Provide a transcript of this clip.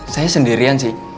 saya sendirian sih